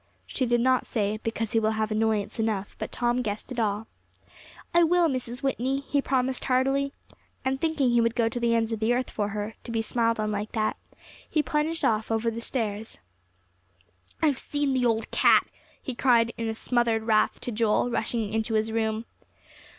She did not say, "because he will have annoyance enough," but Tom guessed it all. "I will, Mrs. Whitney," he promised heartily. And, thinking he would go to the ends of the earth for her, to be smiled on like that, he plunged off over the stairs. "I've seen the old cat," he cried in smothered wrath to Joel, rushing into his room.